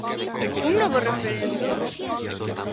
Un novo referendo?